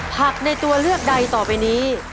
ในตัวเลือกใดต่อไปนี้